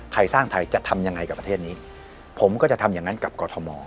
ไทยสร้างไทยจะทำยังไงกับประเทศนี้ผมก็จะทำอย่างนั้นกับกรทม